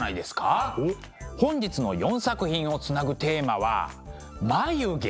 本日の４作品をつなぐテーマは「眉毛」。